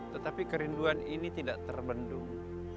tetapi kerinduan ini tidak terbendung